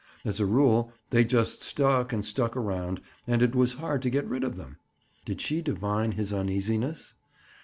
As a rule they just stuck and stuck around and it was hard to get rid of them. Did she divine his uneasiness?